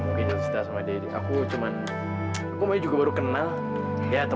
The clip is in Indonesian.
ampis danmu jadi aku cuma cuma juga baru call ke love ya teman akrab banyak banget inilah after